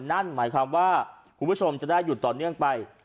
นั่นหมายความว่าคุณผู้ชมจะได้หยุดต่อเนื่องไป